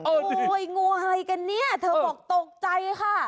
โอ้โหงูอะไรกันเนี่ยเธอบอกตกใจค่ะ